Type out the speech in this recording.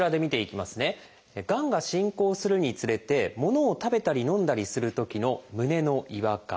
がんが進行するにつれてものを食べたり飲んだりするときの胸の違和感。